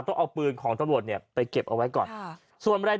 ต้องเอาปืนของตำรวจเนี่ยไปเก็บเอาไว้ก่อนส่วนแรง